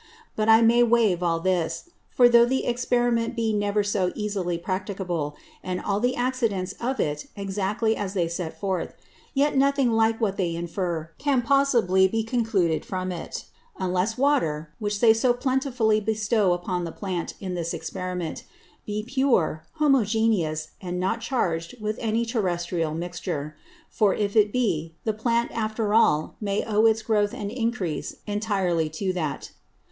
But I may wave all this; for though the Experiment be never so easily practicable, and all the Accidents of it exactly as they set forth, yet nothing like what they infer can possibly be concluded from it; unless Water, which they so plentifully bestow upon the Plant in this Experiment, be pure, homogeneous, and not charged with any terrestrial Mixture; for if it be, the Plant after all may owe its Growth and Encrease intirely to that.